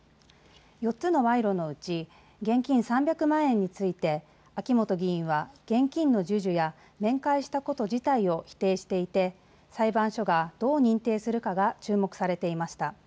４つの賄賂のうち現金３００万円について秋元議員は現金の授受や面会したこと自体を否定していて裁判所がどう認定するかが注目されていました。